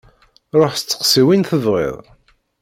Ruḥ steqsi win tebɣiḍ!